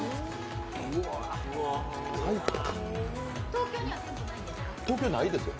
東京には店舗、ないんですか？